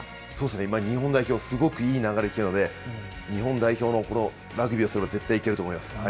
今、日本代表、すごくいい流れきてるので、日本代表のこのラグビーをすれば、絶対いけると思います。